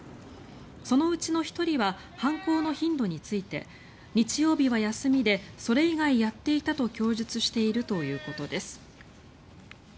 そのうちの１人は犯行の頻度について日曜日は休みでそれ以外やっていたと供述しているということです。